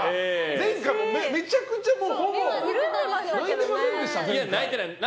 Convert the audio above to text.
前回もめちゃくちゃほぼ泣いてましたもんね。